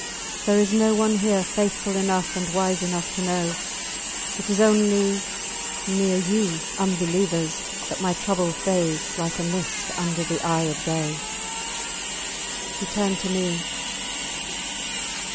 There is no one here faithful enough and wise enough to know. It is only near you, unbelievers, that my trouble fades like a mist under the eye of day. He turned to me.